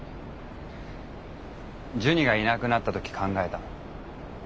ジュニがいなくなった時考えた。